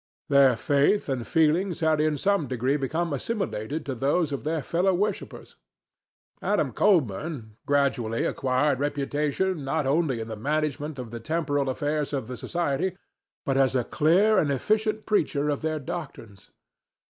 Their faith and feelings had in some degree become assimilated to those of their fellow worshippers. Adam Colburn gradually acquired reputation not only in the management of the temporal affairs of the society, but as a clear and efficient preacher of their doctrines.